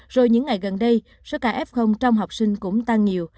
rồi những ngày gần đây số ca f trong học sinh cũng tăng nhiều